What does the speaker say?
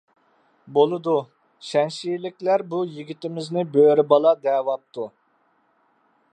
بولىدۇ، شەنشىلىكلەر بۇ يىگىتىمىزنى بۆرە بالا دەۋاپتۇ.